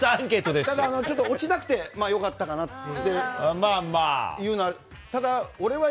でも落ちなくてよかったかなっていうのは。